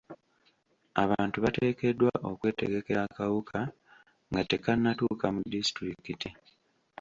Abantu bateekeddwa okwetegekera akawuka nga tekannatuuka mu disitulikiti.